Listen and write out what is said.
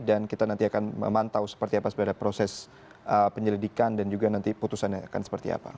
dan kita nanti akan memantau seperti apa sebenarnya proses penyelidikan dan juga nanti putusannya akan seperti apa